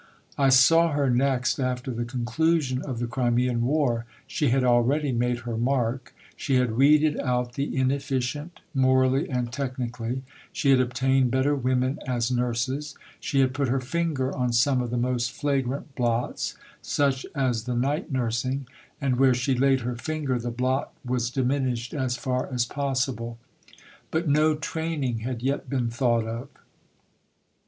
I saw her next after the conclusion of the Crimean War. She had already made her mark; she had weeded out the inefficient, morally and technically; she had obtained better women as nurses; she had put her finger on some of the most flagrant blots, such as the night nursing, and where she laid her finger the blot was diminished as far as possible, but no training had yet been thought of....